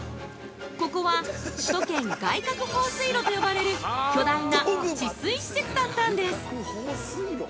◆ここは、首都圏外郭放水路と呼ばれる巨大な治水施設だったんです。